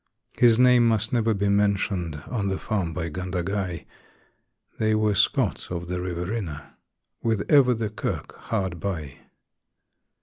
His name must never be mentioned on the farm by Gundagai They were Scots of the Riverina with ever the kirk hard by.